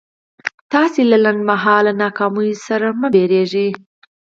تاسې له لنډ مهاله ناکاميو سره مه ډارېږئ.